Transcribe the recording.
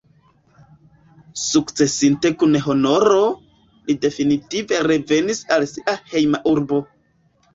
Sukcesinte kun honoro, li definitive revenis al sia hejma urbo.